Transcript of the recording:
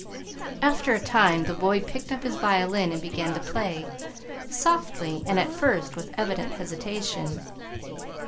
After a time the boy picked up his violin and began to play, softly, and at first with evident hesitation.